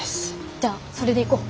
じゃあそれでいこう。